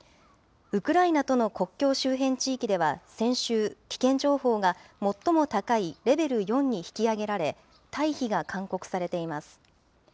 ウクライナとの国境周辺地域では、先週、危険情報が、最も高いレベル４に引き上げられ、退避が勧告されています。